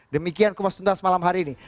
demikian kupas tuntas malam hari ini